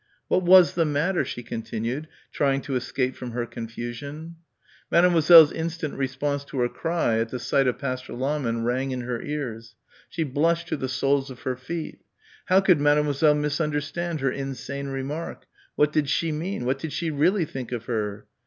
"What was the matter?" she continued, trying to escape from her confusion. Mademoiselle's instant response to her cry at the sight of Pastor Lahmann rang in her ears. She blushed to the soles of her feet.... How could Mademoiselle misunderstand her insane remark? What did she mean? What did she really think of her?